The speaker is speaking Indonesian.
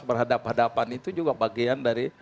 berhadapan hadapan itu juga bagian dari